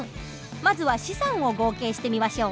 まずは資産を合計してみましょう。